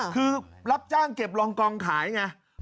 คือรับจ้างเก็บรองกองขายไง